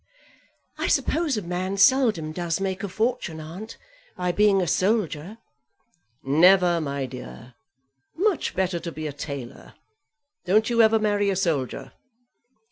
"I suppose a man seldom does make a fortune, aunt, by being a soldier?" "Never, my dear; much better be a tailor. Don't you ever marry a soldier.